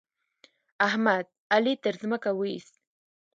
احمد؛ علي تر ځمکه واېست.